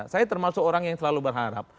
saya termasuk orang yang selalu berharap